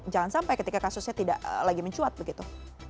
jangan sampai ketika kasusnya tidak lagi mencuat begitu